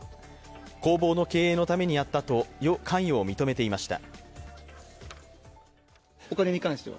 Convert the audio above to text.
工房の経営のためにやったと関与を認めていました。